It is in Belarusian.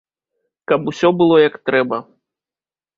Каб усё было, як трэба.